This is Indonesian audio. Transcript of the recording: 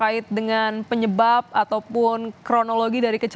ada yang tinggal di bus rosalia intense